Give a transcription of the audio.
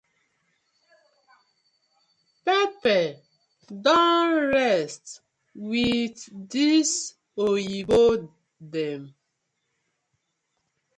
Pepper don rest wit dis oyibo dem.